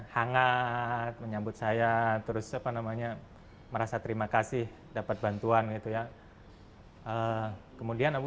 hangat menyambut saya terus apa namanya merasa terima kasih dapat bantuan gitu ya kemudian abu